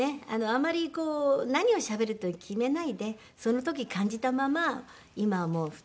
あまりこう何をしゃべるとは決めないでその時感じたまま今はもう普通にしゃべってます。